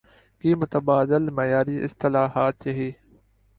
کی متبادل معیاری اصطلاحات یہی